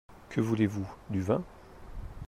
Que voulez-vous ? du vin ?